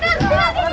ke tempat yang aman